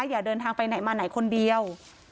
อย่าเดินทางไปไหนมาไหนคนเดียว